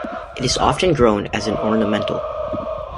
It is often grown as an ornamental.